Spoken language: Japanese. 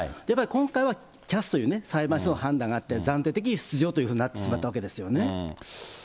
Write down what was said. やっぱり今回はＣＡＳという裁判所の判断があって、暫定的に出場っていうふうになってしまったわけですよね。